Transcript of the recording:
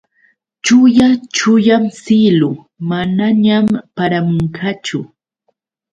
Chuya chuyam siylu. Manañam paramunqachu.